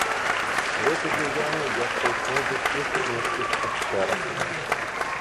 В эту же яму я столкнул бы всех немецких овчарок.